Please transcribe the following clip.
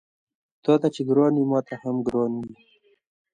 تاته چې ګران وي ماته هم ګران وي